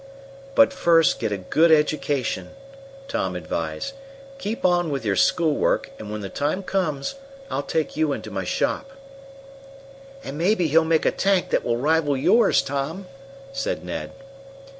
"But first get a good education," Tom advised. "Keep on with your school work, and when the time comes I'll take you into my shop." "And maybe he'll make a tank that will rival yours, Tom," said Ned.